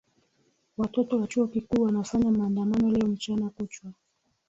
Watoto wa chuo kikuu wanafanya maandamano leo mchana kuchwa.